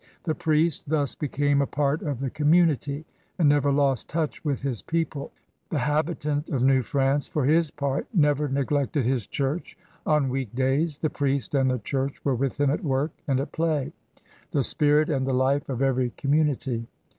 The priest thus became a part of the commu nity and never lost touch with his people. The habitant of New France for his part never neg lected his Church on week days. The priest and the Church were with him at work and at play, the spirit and the life of every community.